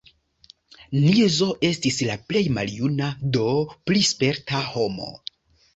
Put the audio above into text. Nizo estis la plej maljuna, do pli sperta homo.